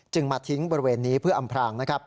จึงมาทิ้งบริเวณนี้เพื่ออำพลัง